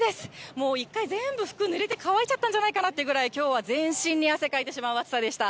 もう一回、全部服ぬれて、乾いちゃったんじゃないかなというくらい、きょうは全身に汗かいてしまう暑さでした。